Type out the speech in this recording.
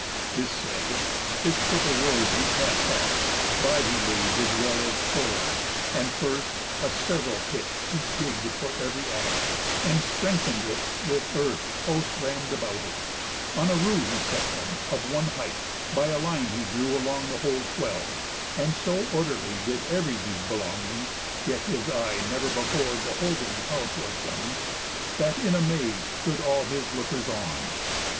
This said, His purple robe he cast off; by he laid His well edg'd sword; and, first, a sev'ral pit He digg'd for ev'ry axe, and strengthen'd it With earth close ramm'd about it; on a rew Set them, of one height, by a line he drew Along the whole twelve; and so orderly Did ev'ry deed belonging (yet his eye Never before beholding how 'twas done) That in amaze rose all his lookers on.